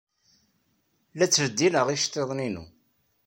La ttbeddileɣ iceḍḍiḍen-inu.